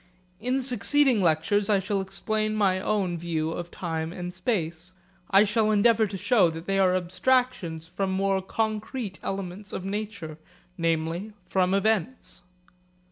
In succeeding lectures I shall explain my own view of time and space. I shall endeavour to show that they are abstractions from more concrete elements of nature, namely, from events.